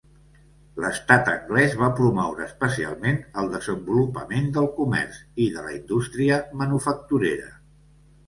L'Estat anglès va promoure especialment el desenvolupament del comerç i de la indústria manufacturera.